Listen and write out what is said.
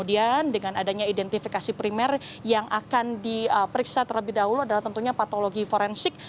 identifikasi primer yang akan diperiksa terlebih dahulu adalah tentunya patologi forensik